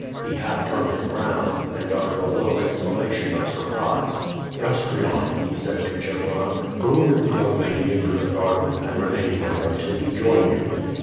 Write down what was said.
He half turned him round, and uttered a low exclamation of surprise. "Gastrion," he said to Chebron, "go with the young lady into the garden, and remain there until we join you."